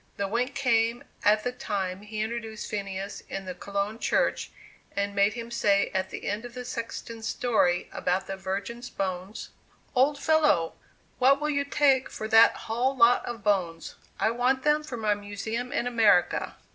The wink came at the time he introduced Phineas in the Cologne Church, and made him say at the end of the sexton's story about the Virgins' bones: "Old fellow, what will you take for that hull lot of bones? I want them for my Museum in America!"